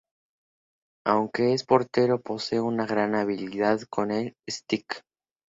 Aunque es portero, posee una gran habilidad con el stick.